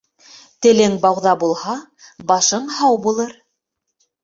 Телең бауҙа булһа, башың һау булыр.